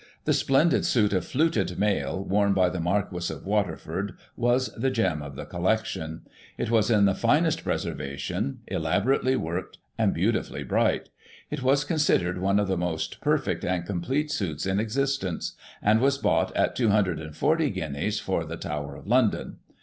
The splendid suit of fluted mail, worn by the Marquis of Waterford, was the gem of the collection. It was in the finest preservation, elaborately worked, and beautifully bright It was considered one of the most perfect and complete suits in existence, and was bought at 240 guineas for the Tower of London.